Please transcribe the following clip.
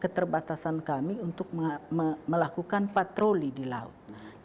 keterbatasan kami untuk melakukan patroli di laut